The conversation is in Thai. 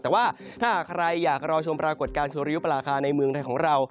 แต่ว่าถ้าหากใครอยากรอชมปรากฏการณ์สุริยุปราคาในเมืองไทยของเรา